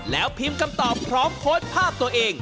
แล้วพิมพ์คำตอบพร้อมโพสต์ภาพตัวเอง